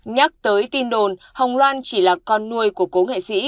nhắc tới tin đồn hồng loan chỉ là con nuôi của cố nghệ sĩ